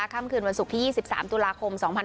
ค่ำคืนวันศุกร์ที่ที่สิบสามตุลาคมสองพัน